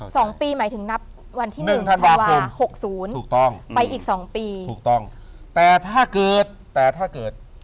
สองปีหมายถึงนับวันที่หนึ่งธนวา๖๐ถูกต้องไปอีกสองปีถูกต้องแต่ถ้าเกิด